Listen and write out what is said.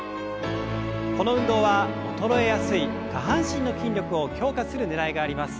この運動は衰えやすい下半身の筋力を強化するねらいがあります。